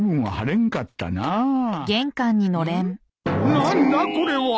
何だこれは！？